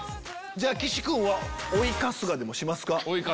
じゃあ岸君は追い春日でもしますか？